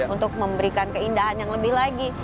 untuk memberikan keindahan yang lebih lagi